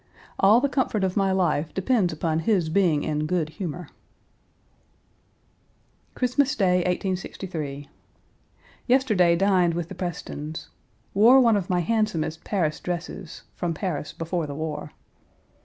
All the comfort of my life depends upon his being in good humor. Christmas Day, 1863. Yesterday dined with the Prestons. Wore one of my handsomest Paris dresses (from Paris before the war).